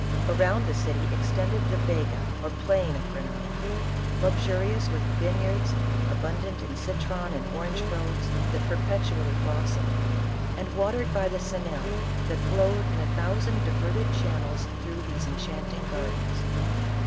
Around the city extended the Yega or plain of Grenada, luxurious with vineyards, abundant in citron and orange groves that perpetually blossomed, and watered by the Xenil that flowed in a thousand diverted channels through these enchanting gardens.